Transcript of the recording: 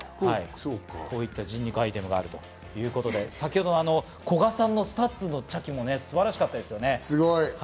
こういった人肉アイテムがあるということで、先ほど古賀さんのスタッズの茶器も素晴らしかったですね。